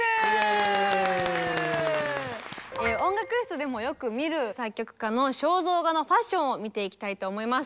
音楽室でもよく見る作曲家の肖像画のファッションを見ていきたいと思います。